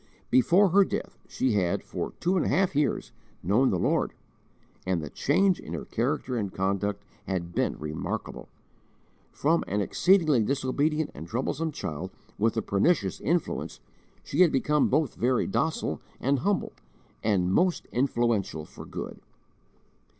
Before her death, she had, for two and a half years, known the Lord, and the change in her character and conduct had been remarkable. From an exceedingly disobedient and troublesome child with a pernicious influence, she had become both very docile and humble and most influential for good.